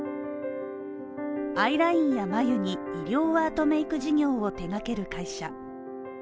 アイラインや、眉に医療アートメーク事業を手がける会社。